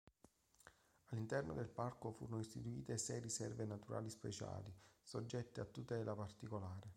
All'interno del parco furono istituite sei riserve naturali speciali, soggette a tutela particolare.